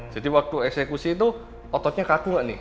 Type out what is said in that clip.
jadi waktu eksekusi itu ototnya kaku gak nih